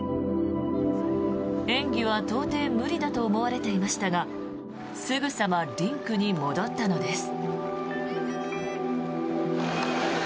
演技は到底無理だと思われていましたがすぐさまリンクに戻ったのです。